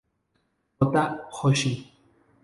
Kota Hoshi